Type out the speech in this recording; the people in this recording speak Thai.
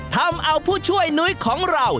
ทำเอาผู้ช่วยนุ้ยของเรา